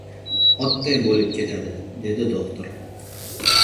— Otday bo‘lib ketadi! — dedi do‘xtir.